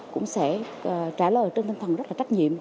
cũng sẽ trả lời trên tân thầm rất trách nhiệm